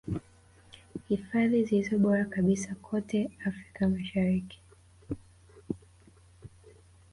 Hifadhi zilizo bora kabisa kote Afrika Mashariki